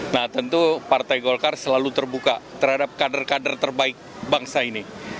nah tentu partai golkar selalu terbuka terhadap kader kader terbaik bangsa ini